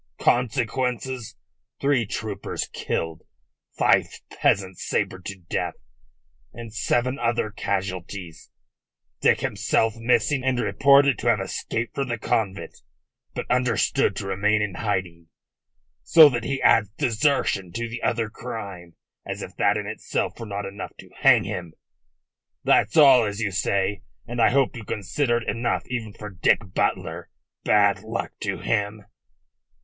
Consequences: three troopers killed, five peasants sabred to death and seven other casualties, Dick himself missing and reported to have escaped from the convent, but understood to remain in hiding so that he adds desertion to the other crime, as if that in itself were not enough to hang him. That's all, as you say, and I hope you consider it enough even for Dick Butler bad luck to him."